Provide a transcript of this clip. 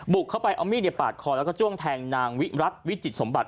บุกเขาไปเอามีเดียปาดคอแล้วก็จ้วงแทงนางรัฐวิจิตสมบัติ